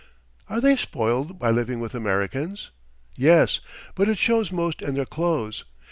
"Are they spoiled by living with Americans?" "Yes, but it shows most in their clothes.